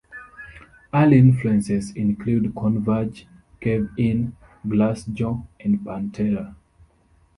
Early influences include Converge, Cave In, Glassjaw, and Pantera.